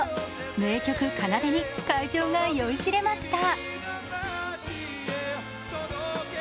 名曲「奏」に会場が酔いしれました。